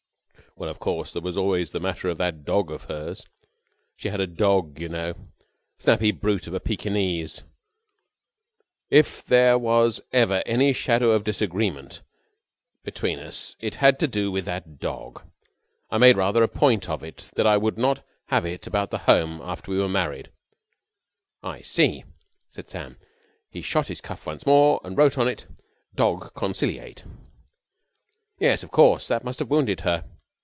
"Well, of course, there was always the matter of that dog of hers. She had a dog, you know, a snappy brute of a Pekingese. If there was ever any shadow of disagreement between us, it had to do with that dog. I made rather a point of it that I would not have it about the home after we were married." "I see!" said Sam. He shot his cuff once more and wrote on it: "Dog conciliate." "Yes, of course, that must have wounded her."